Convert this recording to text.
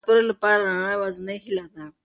سپوږمۍ د مساپرو لپاره د رڼا یوازینۍ هیله ده.